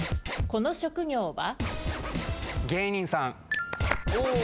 この職業は？